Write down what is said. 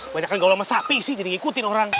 banyakan gaul sama sapi sih jadi ngikutin orang